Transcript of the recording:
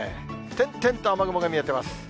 点々と雨雲が見えてます。